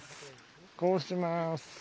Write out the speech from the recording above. こうします。